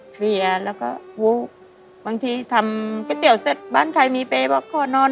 เคลียร์แล้วก็วู้บางทีทำก๋วยเตี๋ยวเสร็จบ้านใครมีเปย์บอกขอนอน